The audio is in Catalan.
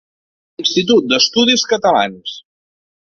Institut d’Estudis Catalans.